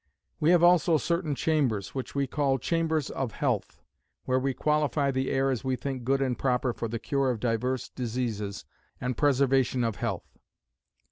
"We have also certain chambers, which we call Chambers of Health, where we qualify the air as we think good and proper for the cure of divers diseases, and preservation of health.